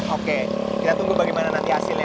oke kita tunggu bagaimana nanti hasilnya